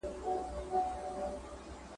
عمر تیر دننګیالي سو، ستا هجران هم دایمي سو.